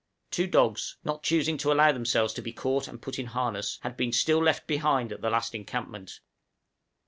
Two dogs, not choosing to allow themselves to be caught and put in harness, had been still left behind at the last encampment.